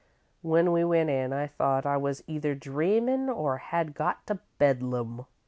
"When we went in, I thought I was either dreamin' or had got to Bedlam.